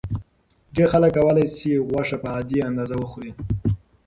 ډېر خلک کولی شي غوښه په عادي اندازه وخوري.